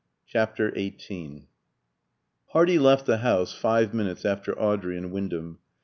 CHAPTER XVIII Hardy left the house five minutes after Audrey and Wyndham.